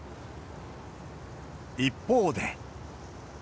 一方で。